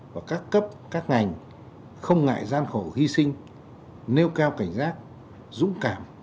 và các cấp các ngành không ngại gian khổ hy sinh nêu cao cảnh giác dũng cảm